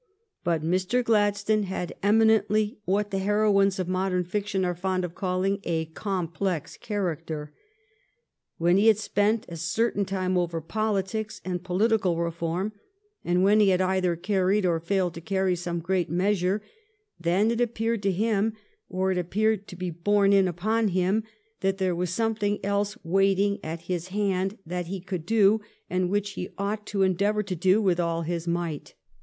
But Mr. Gladstone had eminently what the heroines of modern fiction are fond of calling a complex character. When he had spent a certain time over politics and po litical reform, and when he had either carried or failed to carry some great measure, then it ap peared to him, or it appeared to be borne in upon him, that there was something else waiting at his hand that he could do and which he ought to en deavor to do with all his might.